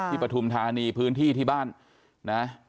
ที่ประธุมธานีพื้นที่ที่บ้านนะ